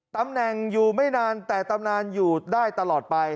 ตำแหน่งอยู่ไม่นานแต่ตำนานอยู่ได้ตลอดไป